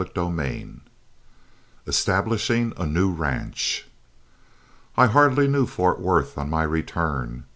CHAPTER XIV ESTABLISHING A NEW RANCH I hardly knew Fort Worth on my return.